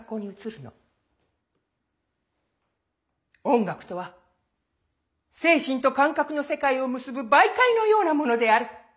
音楽とは精神と感覚の世界を結ぶ媒介のようなものである。